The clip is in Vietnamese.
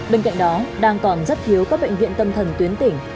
bên cạnh đó đang còn rất thiếu các bệnh viện tâm thần tuyến tỉnh